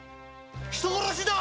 人殺しだ！